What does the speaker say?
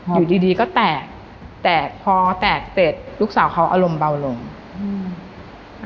อยู่ดีดีก็แตกแตกพอแตกเสร็จลูกสาวเขาอารมณ์เบาลงอืม